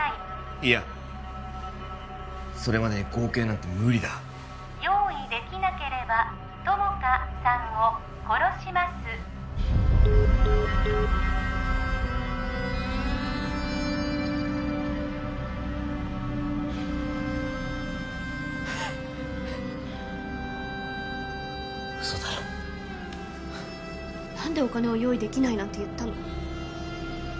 いやそれまでに５億円なんて無理だ用意できなければ友果さんを殺しますはは嘘だろ何でお金を用意できないなんて言ったの？